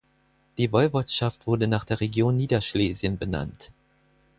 Die Woiwodschaft wurde nach der Region Niederschlesien benannt.